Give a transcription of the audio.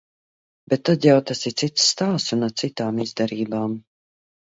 Bet tad jau tas ir cits stāsts un ar citām izdarībām.